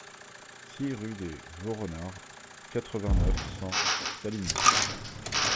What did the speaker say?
six rue des Vaux Renards, quatre-vingt-neuf, cent, Saligny